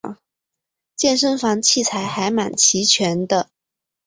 健身房器材还蛮齐全的